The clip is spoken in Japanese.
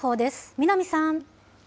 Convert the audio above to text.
南さん。